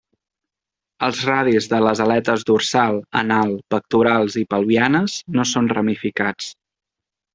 Els radis de les aletes dorsal, anal, pectorals i pelvianes no són ramificats.